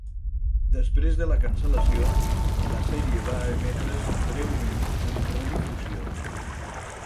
Després de la cancel·lació, la sèrie va emetre's breument en redifusió.